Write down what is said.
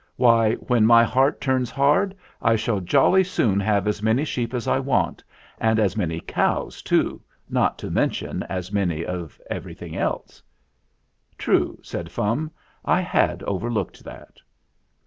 "Why, when my heart turns hard, I shall jolly soon have as many sheep as I want, and as many cows too, not to mention as many of everything else." "True," said Fum. "I had overlooked that."